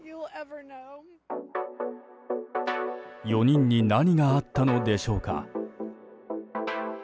４人に何があったのでしょうか。